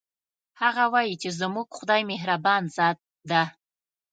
هغه وایي چې زموږ خدایمهربان ذات ده